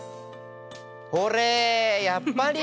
ほれやっぱり！